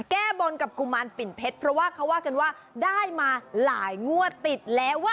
แก้บนกับกุมารปิ่นเพชรเพราะว่าเขาว่ากันว่าได้มาหลายงวดติดแล้วว่า